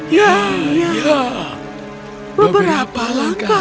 ya ya beberapa langkah lagi